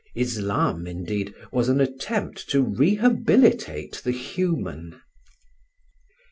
Islam, indeed, was an attempt to rehabilitate the human.